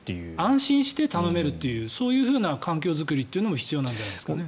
安心して頼めるというそういうふうな環境づくりも必要なんじゃないですかね。